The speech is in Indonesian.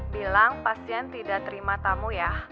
bilang pasien tidak terima tamu ya